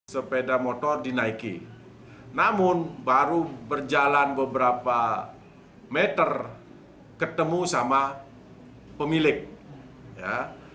sepeda motor dinaiki namun baru berjalan beberapa meter ketemu sama pemilik ya